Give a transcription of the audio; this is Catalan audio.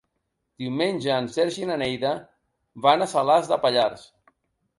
Diumenge en Sergi i na Neida van a Salàs de Pallars.